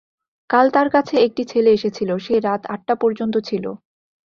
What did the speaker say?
কাল তার কাছে একটি ছেলে এসেছিল, সে রাত আটটা পর্যন্ত ছিল।